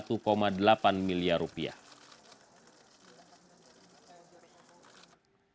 jokowi juga mencoba menggabungkan kegiatan dari pemerintah